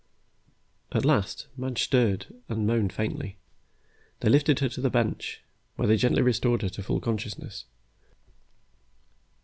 At last, Madge stirred and moaned faintly. They lifted her to a bench, where they gently restored her to full consciousness.